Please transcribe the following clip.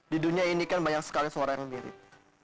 di dunia ini kan banyak sekali suara yang mirip